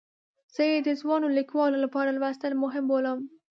زه یې د ځوانو لیکوالو لپاره لوستل مهم بولم.